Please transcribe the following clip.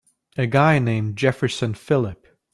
And a guy named Jefferson Phillip.